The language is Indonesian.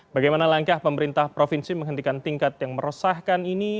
bagaimana langkah pemerintah provinsi menghentikan tingkat yang meresahkan ini